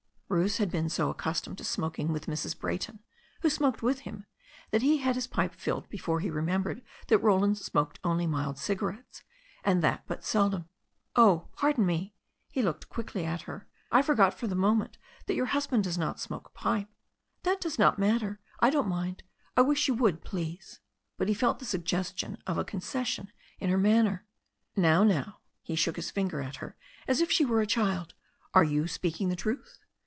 Bruce had been so accustomed to smoking with Mrs. Bray ton, who smoked with him, that he had his pipe filled before he remembered that Roland smoked only mild cigarettes, and that but seldom. "Oh, pardon me" — ^he looked quickly at her — "I forgot for the^ moment that your husband does not smoke a pipe '* "That does not matter. I don't mind ; I wish you would, please." But he felt the suggestion of concession in her manner. "Now, now," he shook his finger at her as if she were a child, "are you speaking the truth?"